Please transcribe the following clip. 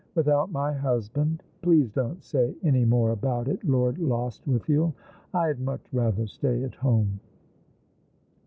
" Without my husband ? Please don't say any more about it, Lord Lostwithiel. I had much rather stay at home."